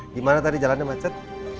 gimana tadi jalannya mbak cet